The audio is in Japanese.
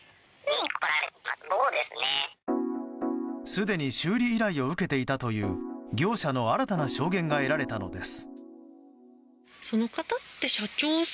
すでに修理依頼を受けていたという業者の新たな証言が得られたのです。